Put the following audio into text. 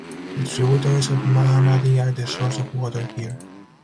The tributaries of Mahanadi are the source of water here.